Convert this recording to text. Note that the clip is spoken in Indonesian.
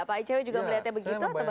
pak icw juga melihatnya begitu atau bagaimana